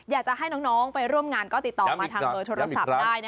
อยากจะให้น้องไปร่วมงานก็ติดต่อมาทางเบอร์โทรศัพท์ได้